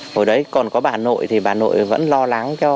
hồi đấy còn có bà nội thì bà nội vẫn lo lắng